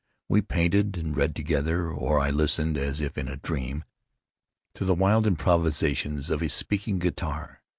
We painted and read together; or I listened, as if in a dream, to the wild improvisations of his speaking guitar.